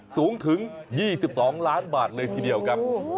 สูงถึง๒๒ล้านบาทเลยทีเดียวครับ